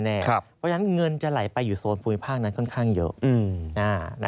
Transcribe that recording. เพราะฉะนั้นเงินจะไหลไปอยู่โซนภูมิภาคนั้นค่อนข้างเยอะ